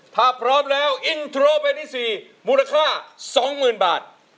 ถ้าพร้อมแล้วอินโทรเพลงที่๔มูลค่า๒๐๐๐บาท